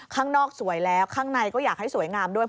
ข้างนอกสวยแล้วข้างในก็อยากให้สวยงามด้วย